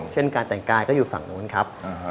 การแต่งกายก็อยู่ฝั่งนู้นครับ